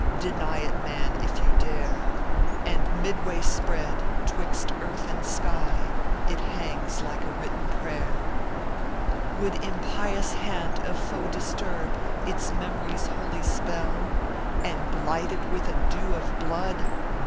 Deny it, man, if you dare ; And midway spread, twixt earth and sky, It hangs like a written prayer. "Would impious hand of foe disturb Its memories holy spell, And blight it with a dew of blood